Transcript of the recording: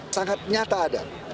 sangat nyata ada